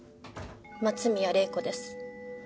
松宮玲子です。